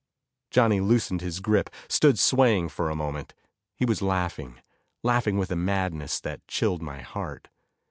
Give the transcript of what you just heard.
Johnny loosened his grip, stood swaying for a moment. He was laughing, laughing with a madness that chilled my heart.